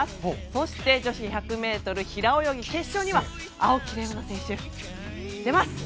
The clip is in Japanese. そして女子１００ｍ平泳ぎ決勝には青木玲緒樹選手が出ます。